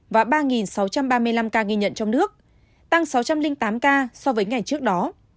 và ba sáu trăm ba mươi năm ca ghi nhận trong nước tăng sáu trăm linh tám ca so với ngày trước đó